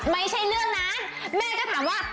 ไม่ใช่เรื่องนั้นแม่ก็ถามว่า